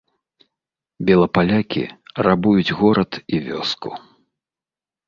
Белапалякі рабуюць горад і вёску.